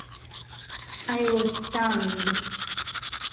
I was stunned.